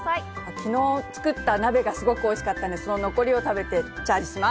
昨日、作った鍋がすごく美味しかったので、その残りを食べてチャージします。